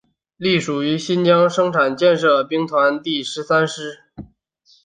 隶属于新疆生产建设兵团第十三师。